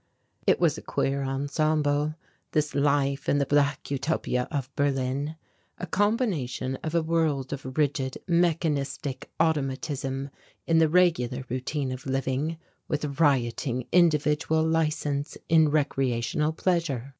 It was a queer ensemble, this life in the Black Utopia of Berlin, a combination of a world of rigid mechanistic automatism in the regular routine of living with rioting individual license in recreational pleasure.